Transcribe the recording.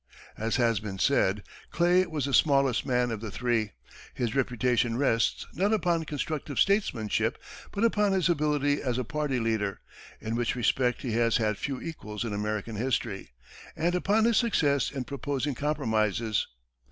As has been said, Clay was the smallest man of the three. His reputation rests, not upon constructive statesmanship, but upon his ability as a party leader, in which respect he has had few equals in American history, and upon his success in proposing compromises.